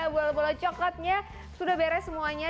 bola bola coklatnya sudah beres semuanya